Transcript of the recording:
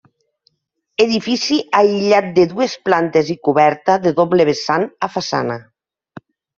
Edifici aïllat de dues plantes i coberta de doble vessant a façana.